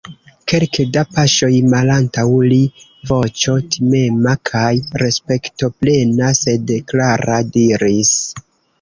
Kelke da paŝoj malantaŭ li voĉo timema kaj respektoplena, sed klara, diris: